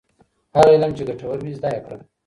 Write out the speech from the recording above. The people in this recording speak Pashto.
هغه علم چي ګټور وي زده یې کړه.